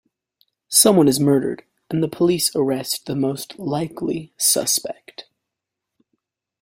Someone is murdered, and the police arrest the most likely suspect.